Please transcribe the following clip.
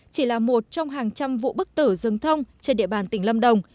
chỉ là một trong hàng trăm vụ bức tử rừng thông trên địa bàn tỉnh lâm đồng